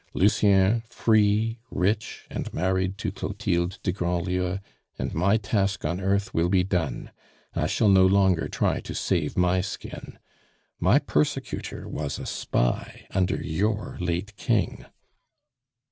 Lucien free, rich, and married to Clotilde de Grandlieu, and my task on earth will be done; I shall no longer try to save my skin. My persecutor was a spy under your late King."